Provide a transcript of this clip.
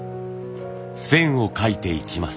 線を書いていきます。